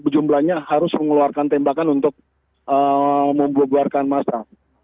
jumlahnya harus mengeluarkan tembakan untuk membuarkan masa